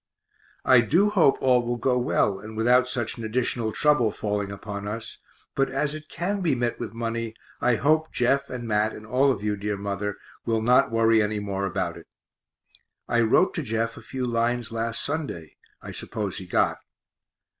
I do hope all will go well and without such an additional trouble falling upon us, but as it can be met with money, I hope Jeff and Mat and all of you, dear mother, will not worry any more about it. I wrote to Jeff a few lines last Sunday, I suppose he got.